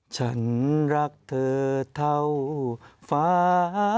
ฉันรักเธอเท่าฟ้า